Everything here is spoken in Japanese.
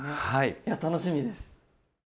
いや楽しみです。